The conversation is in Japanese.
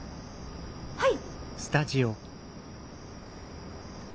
はい。